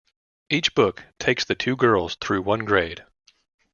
Each book takes the two girls through one grade.